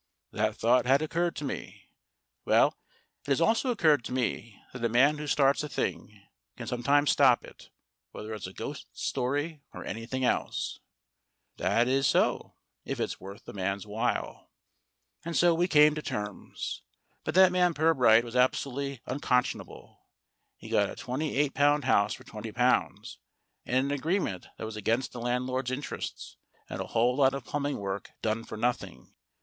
"That thought had occurred to me. Well, it has also occurred to me that a man who starts a thing can SUNNIBROW 143 sometimes stop it whether it's a ghost story or any thing else." "That is so, if it's worth the man's while." And so we came to terms. But that man Pirbright was absolutely unconscionable. He got a twenty eight pound house for twenty pounds, and an agreement that was against the landlord's interests, and a whole lot of plumbing work done for nothing.